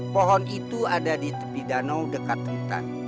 pohon itu ada di tepi danau dekat hutan